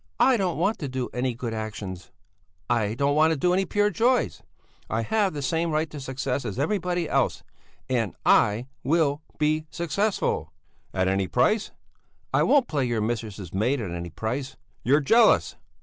"I don't want to do any good actions! I don't want any pure joys! I have the same right to success as everybody else! And I will be successful!" "At any price?" "I won't play your mistress's maid at any price." "You're jealous!